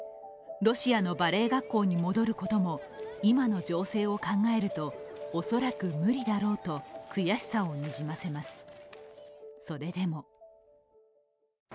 ロシアのバレエ学校に戻ることも今の情勢を考えると恐らく無理だろうと悔しさをにじませます。